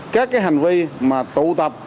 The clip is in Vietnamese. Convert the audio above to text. các cái hành vi mà tụ tập